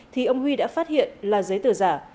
thì ông huy đã phát hiện là giấy tờ giả